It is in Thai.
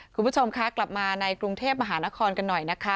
คุณผู้ชมคะกลับมาในกรุงเทพมหานครกันหน่อยนะคะ